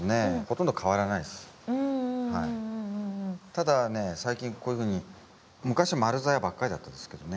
ただね最近こういうふうに昔は丸ざやばっかりだったですけどね。